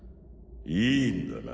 いいんだな？